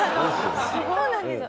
すごいね。